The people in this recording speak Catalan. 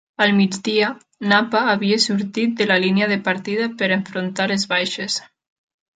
Al migdia, "Napa" havia sortit de la línia de partida per a enfrontar les baixes.